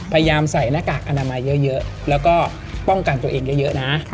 พยายามใส่หน้ากากอนามัยเยอะแล้วก็ป้องกันตัวเองเยอะนะ